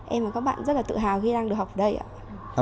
em và các bạn rất là tự hào khi đang được học ở đây ạ